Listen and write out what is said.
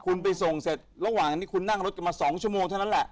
คุณไปส่งเสร็จระหว่างที่คุณนั่งรถกันมา๒ชั่วโมงเท่านั้นแหละ